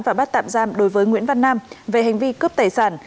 và bắt tạm giam đối với nguyễn văn nam về hành vi cướp tài sản